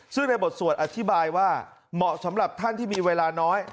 ซึ่งในบทสวดอธิบายว่าเหมาะสำหรับท่านที่มีเวลาน้อย